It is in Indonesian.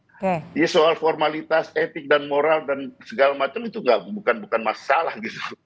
jadi soal formalitas etik dan moral dan segala macam itu bukan masalah gitu